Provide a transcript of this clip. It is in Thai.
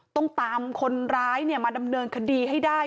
ต้องตามคนร้ายมาดำเนินคดีให้ได้